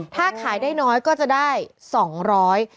ถ้าขายได้น้อยก็จะได้สองร้อย